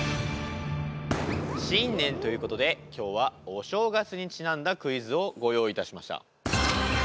新年ということで今日はお正月にちなんだクイズをご用意いたしました。